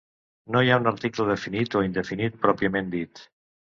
No hi ha un article definit o indefinit pròpiament dit.